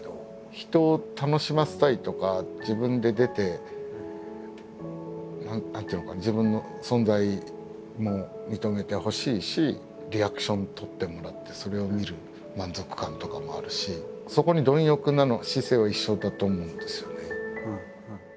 人を楽しませたいとか自分で出て何ていうのかな自分の存在も認めてほしいしリアクション取ってもらってそれを見る満足感とかもあるしそこに貪欲な姿勢は一緒だと思うんですよね。